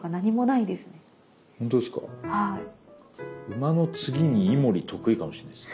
馬の次にイモリ得意かもしんないです。